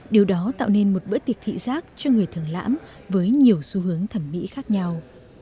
điều đó tạo nên một bữa tiệc thị giác cho người thường lãm với nhiều xu hướng thẩm mỹ khác nhau